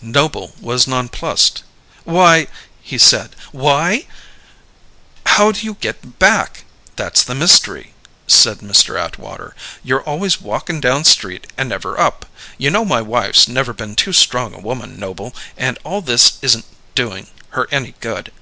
Noble was nonplussed. "Why " he said. "Why " "How do you get back? That's the mystery!" said Mr. Atwater. "You're always walkin' down street and never up. You know my wife's never been too strong a woman, Noble, and all this isn't doing her any good.